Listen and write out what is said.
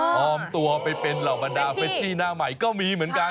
พร้อมตัวไปเป็นเหล่าบรรดาเฟชชี่หน้าใหม่ก็มีเหมือนกัน